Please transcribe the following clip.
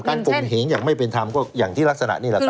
กลมเหงอย่างไม่เป็นธรรมก็อย่างที่ลักษณะนี่แหละครับ